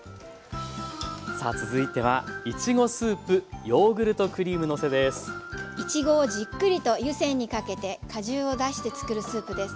さあ続いてはいちごをじっくりと湯煎にかけて果汁を出してつくるスープです。